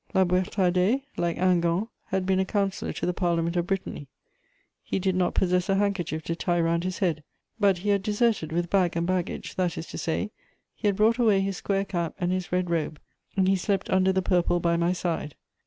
La Boüétardais, like Hingant, had been a counsellor to the Parliament of Brittany; he did not possess a handkerchief to tie round his head; but he had deserted with bag and baggage, that is to say, he had brought away his square cap and his red robe, and he slept under the purple by my side.